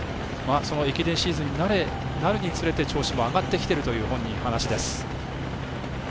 その駅伝シーズンになるにつれて調子も上がってきているという本人の話です。